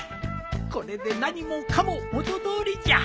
これで何もかも元通りじゃ。